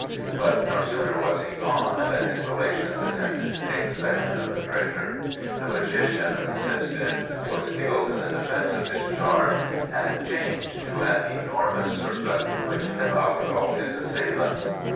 But no sooner was he gone, than his relations attempted to take possession of the treasure : the magician resisted, was killed in the defence of his charge, and changed to an enormous serpent, which devoured all his assailants.